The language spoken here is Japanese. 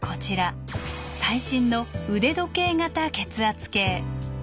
最新の「腕時計型」血圧計。